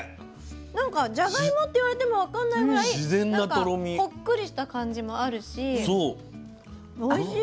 なんかじゃがいもって言われても分かんないぐらいほっくりした感じもあるしおいしい。